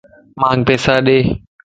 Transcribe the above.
مانک پيسا ڏي